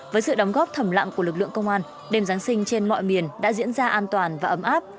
với sự đóng góp thầm lặng của lực lượng công an đêm giáng sinh trên mọi miền đã diễn ra an toàn và ấm áp